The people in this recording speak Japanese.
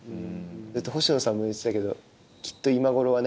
星野さんも言ってたけどきっと今頃はね